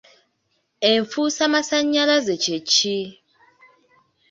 Enfuusamasannyalaze kye ki?